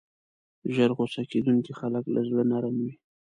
ژر غصه کېدونکي خلک له زړه نرم وي.